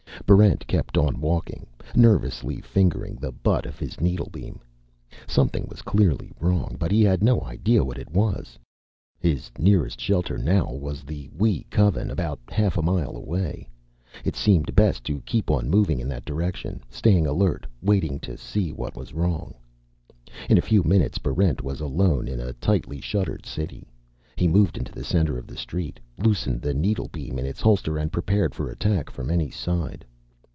Barrent kept on walking, nervously fingering the butt of his needlebeam. Something was certainly wrong, but he had no idea what it was. His nearest shelter now was the Wee Coven, about half a mile away. It seemed best to keep on moving in that direction, staying alert, waiting to see what was wrong. In a few minutes, Barrent was alone in a tightly shuttered city. He moved into the center of the street, loosened the needlebeam in its holster, and prepared for attack from any side.